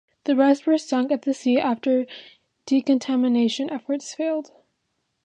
The rest were sunk at sea after decontamination efforts failed.